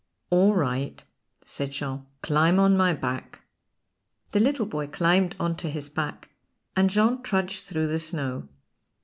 "All right," said Jean, "climb on my back." The little boy climbed on to his back, and Jean trudged through the snow.